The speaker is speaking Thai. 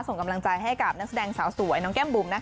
ส่งกำลังใจให้กับนักแสดงสาวสวยน้องแก้มบุ๋ม